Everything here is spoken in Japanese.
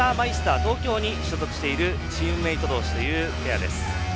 東京に所属しているチームメート同士というペアです。